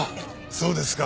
そうですか。